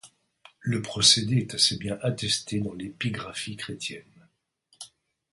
Le procédé est assez bien attesté dans l'épigraphie chrétienne.